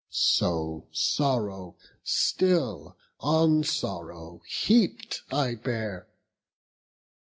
So sorrow still, on sorrow heap'd, I bear.